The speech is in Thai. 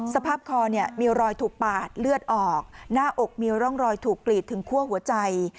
สภาพคอเนี่ยมีรอยถูกปาดเลือดออกหน้าอกมีร่องรอยถูกกรีดถึงคั่วหัวใจ